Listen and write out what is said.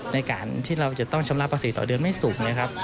ในการที่เราจะต้องชำระภาษีต่อเดือนไม่สูงนะครับ